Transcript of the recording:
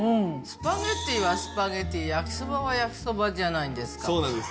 スパゲッティはスパゲッティ焼きそばは焼きそばじゃないんですか？